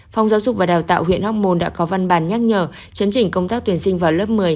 phòng giáo dục và đào tạo huyện hóc môn đã có văn bản nhắc nhở chấn chỉnh công tác tuyển sinh vào lớp một mươi